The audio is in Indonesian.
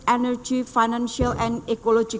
energi keuangan dan ekologi